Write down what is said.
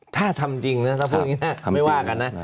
ถ้าทำจริงนะถ้าพูดอย่างนี้ไม่ว่ากันนะ